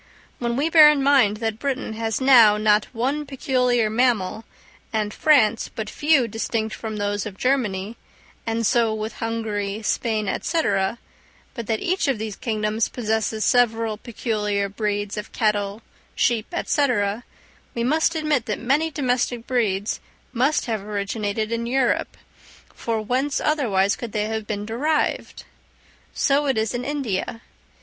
When we bear in mind that Britain has now not one peculiar mammal, and France but few distinct from those of Germany, and so with Hungary, Spain, &c., but that each of these kingdoms possesses several peculiar breeds of cattle, sheep, &c., we must admit that many domestic breeds must have originated in Europe; for whence otherwise could they have been derived? So it is in India.